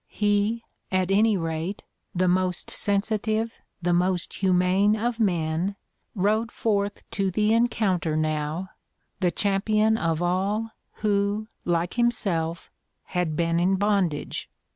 He, at any rate, the most sensitive, the most humane of men, rode forth to the encounter now, the champion of all who, like himself, had been in bondage.